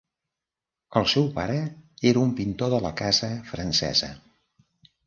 El seu pare era un pintor de la casa francesa.